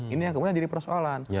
ini yang kemudian jadi persoalan